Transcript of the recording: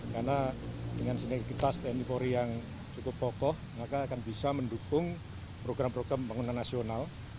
karena dengan sinergitas tni polri yang cukup pokok maka akan bisa mendukung program program pembangunan nasional